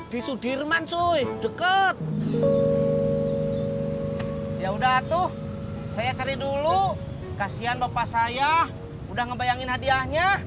di sudirman suh dekat ya udah tuh saya cari dulu kasihan bapak saya udah ngebayangin hadiahnya